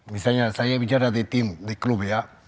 misalnya saya bicara di tim di klub ya